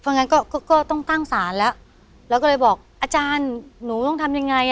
เพราะงั้นก็ก็ต้องตั้งศาลแล้วแล้วก็เลยบอกอาจารย์หนูต้องทำยังไง